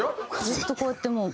ずっとこうやってもう。